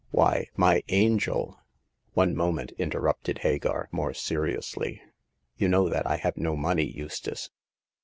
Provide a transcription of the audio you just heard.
" Why, my angel " One moment," interrupted Hagar more seriously. You know that I have no money, Eustace.